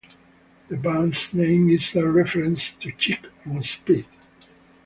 The band's name is a reference to Chicks on Speed.